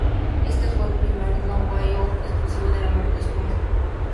Este fue el primer No Way Out exclusivo de la marca Smackdown!.